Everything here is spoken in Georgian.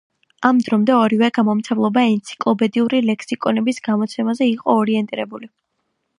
ამ დრომდე ორივე გამომცემლობა ენციკლოპედიური ლექსიკონების გამოცემაზე იყო ორიენტირებული.